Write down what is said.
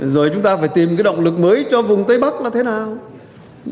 rồi chúng ta phải tìm cái động lực mới cho vùng tây bắc là thế nào